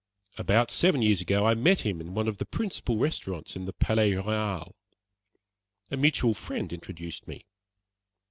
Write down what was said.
About seven years ago, I met him in one of the principal restaurants in the Palais Royale. A mutual friend introduced me.